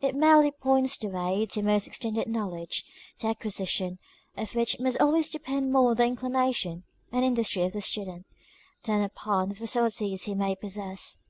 It merely points the way to more extended knowledge, the acquisition of which must always depend more on the inclination and industry of the student, than upon the facilities he may possess.